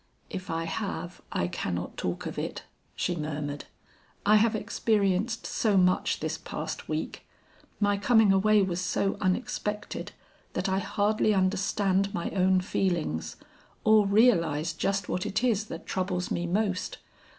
"If I have, I cannot talk of it," she murmured. "I have experienced so much this past week; my coming away was so unexpected, that I hardly understand my own feelings, or realize just what it is that troubles me most.